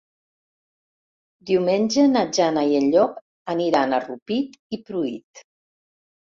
Diumenge na Jana i en Llop aniran a Rupit i Pruit.